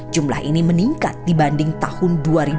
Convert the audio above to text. jumlah ini meningkat dibanding tahun dua ribu dua puluh